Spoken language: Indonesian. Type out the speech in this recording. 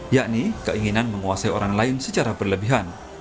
yakni keinginan menguasai orang lain secara berlebihan